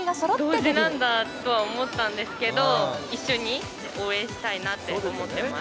同時なんだとは思ったんですけど、一緒に応援したいなって思ってます。